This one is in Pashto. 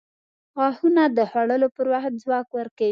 • غاښونه د خوړلو پر وخت ځواک ورکوي.